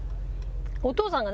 お父さんが。